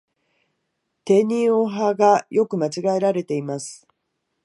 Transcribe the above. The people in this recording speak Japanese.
てにをはが、よく間違えられています。